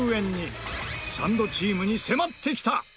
サンドチームに迫ってきた。